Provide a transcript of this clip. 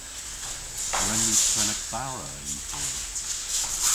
A wren ni prena bara yn Truru?